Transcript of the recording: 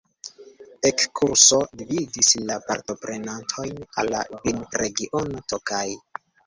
Ekskurso gvidis la partoprenantojn al la vinregiono Tokaj.